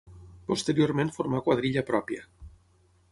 Posteriorment formà quadrilla pròpia.